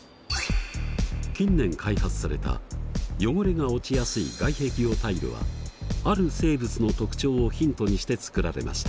近年開発された汚れが落ちやすい外壁用タイルはある生物の特長をヒントにして作られました。